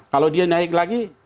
kalau dia naik lagi